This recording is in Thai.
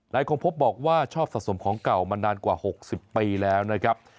คงพบบอกว่าชอบสะสมของเก่ามานานกว่า๖๐ปีแล้วนะครับ